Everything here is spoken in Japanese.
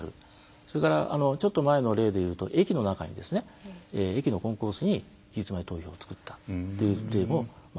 それからちょっと前の例で言うと駅の中に駅のコンコースに期日前投票を作ったという例もありますので。